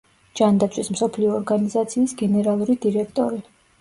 ჯანდაცვის მსოფლიო ორგანიზაციის გენერალური დირექტორი.